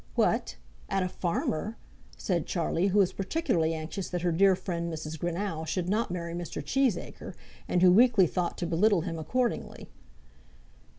"What; at a farmer!" said Charlie who was particularly anxious that her dear friend, Mrs. Greenow, should not marry Mr. Cheesacre, and who weakly thought to belittle him accordingly.